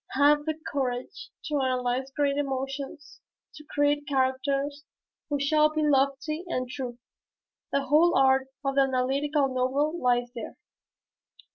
"Have the courage to analyze great emotions to create characters who shall be lofty and true. The whole art of the analytical novel lies there."